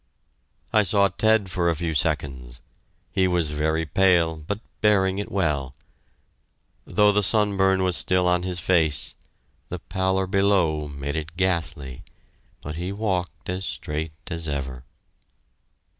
I saw Ted for a few seconds. He was very pale, but bearing it well. Though the sunburn was still on his face, the pallor below made it ghastly; but he walked as straight as ever.